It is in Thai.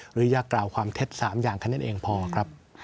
หรืออยากกล่าวความเท็จ๓อย่างแค่นั้นเองพอครับ